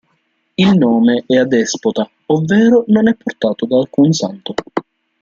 Il nome è adespota, ovvero non è portato da alcun santo.